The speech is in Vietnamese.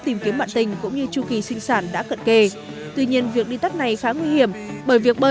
tìm kiếm bạn tình cũng như chu kỳ sinh sản đã cận kề tuy nhiên việc đi tắt này khá nguy hiểm bởi việc bơi